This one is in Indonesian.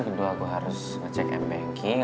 kedua aku harus ngecek m banking